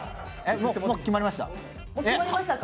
もう決まりましたか？